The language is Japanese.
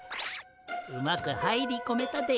うまく入りこめたでえ。